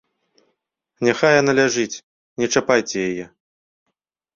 Няхай яна ляжыць, не чапайце яе.